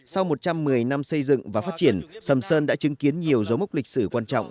sau một trăm một mươi năm xây dựng và phát triển sầm sơn đã chứng kiến nhiều dấu mốc lịch sử quan trọng